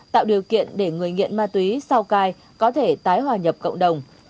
tạo điều kiện để người nghiện ma túy sau cai có thể tái hòa nhập cộng đồng